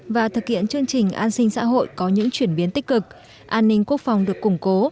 và thực hiện chương trình an sinh xã hội có những chuyển biến tích cực an ninh quốc phòng được củng cố